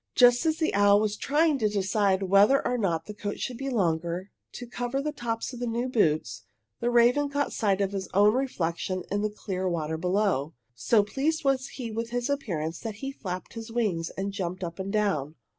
Just as the owl was trying to decide whether or not the coat should be longer, to cover the tops of the new boots, the raven caught sight of his own reflection in the clear water below. So pleased was he with his appearance that he flapped his wings, and jumped up and down.